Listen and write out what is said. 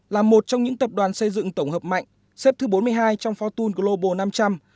là một trong những tập đoàn xây dựng tổng hợp mạnh xếp thứ bốn mươi hai trong fortune global năm trăm linh